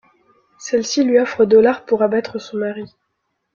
Celle-ci lui offre dollars pour abattre son mari.